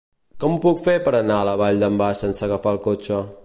Com ho puc fer per anar a la Vall d'en Bas sense agafar el cotxe?